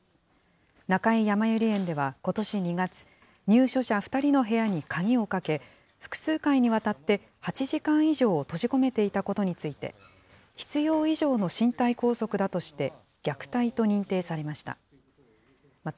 中井やまゆり園ではことし２月、入所者２人の部屋に鍵をかけ、複数回にわたって８時間以上閉じ込めていたことについて、必要以上の身体拘束だとして、虐待と認定されました。